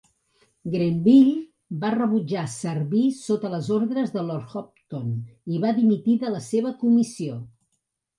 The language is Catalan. Grenville va rebutjar servir sota les ordres de Lord Hopton i va dimitir de la seva comissió.